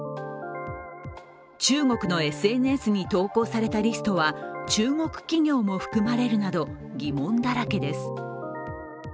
中国のＳＮＳに投稿されたリストは中国企業も含まれるなど、疑問だらけです。